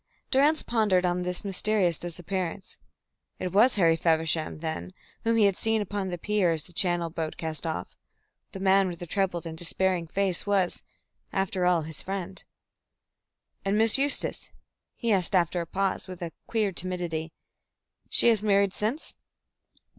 Durrance pondered on this mysterious disappearance. It was Harry Feversham, then, whom he had seen upon the pier as the Channel boat cast off. The man with the troubled and despairing face was, after all, his friend. "And Miss Eustace?" he asked after a pause, with a queer timidity. "She has married since?"